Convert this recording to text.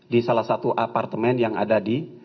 di salah satu apartemen yang ada di